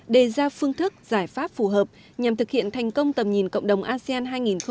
đề ra phương thức giải pháp phù hợp nhằm thực hiện thành công tầm nhìn cộng đồng asean hai nghìn hai mươi năm